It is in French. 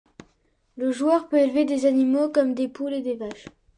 Le joueur peut élever des animaux comme des poules et des vaches.